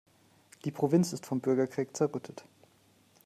Die Provinz ist vom Bürgerkrieg zerrüttet.